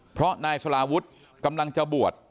เพราะนายสลาวุฒิกำลังจะบวช